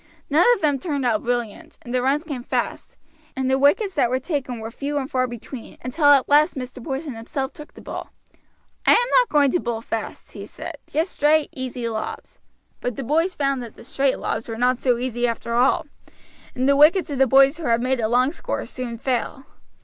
None of them turned out brilliant, and the runs came fast, and the wickets were taken were few and far between, until at last Mr. Porson himself took the ball. "I am not going to bowl fast," he said, "just straight easy lobs;" but the boys found that the straight lobs were not so easy after all, and the wickets of the boys who had made a long score soon fell.